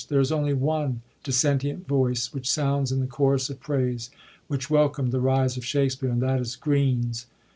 There is only one dissentient voice which sounds in the chorus of praise which wel eomd the rise of Shakspere, and that is Greene's.